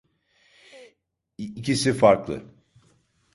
İkisi farklı.